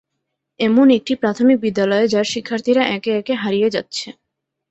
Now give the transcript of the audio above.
এমন একটি প্রাথমিক বিদ্যালয় যার শিক্ষার্থীরা একে একে হারিয়ে যাচ্ছে।